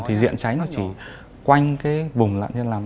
thì diện cháy nó chỉ quanh bùng lặn như thế nào